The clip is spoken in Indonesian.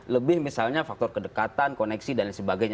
lebih misalnya faktor kedekatan koneksi dan lain sebagainya